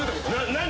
何？